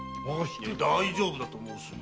大丈夫だと申すに！